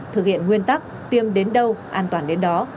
thực hiện nguyên tắc tiêm đến đâu an toàn đến đó